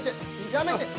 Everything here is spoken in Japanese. やめて！